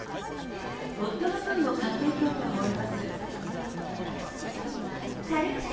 夫の分も買っていこうと思います。